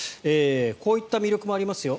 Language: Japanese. こういった魅力もありますよ。